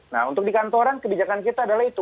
nah untuk di kantoran kebijakan kita adalah itu